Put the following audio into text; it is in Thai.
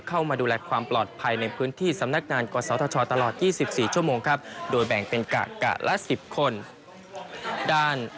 เข้ามาดูแลความปลอดภัยในพื้นที่สำนักงานกศธชตลอด๒๔ชั่วโมงครับโดยแบ่งเป็นกะละ๑๐คน